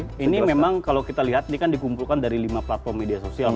nah ini memang kalau kita lihat ini kan dikumpulkan dari lima platform media sosial mas